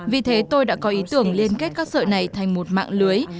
vì thế tôi đã có ý tưởng liên kết các sợi này thành một mạng lưới